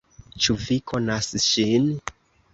Ĉu vi konas ŝin?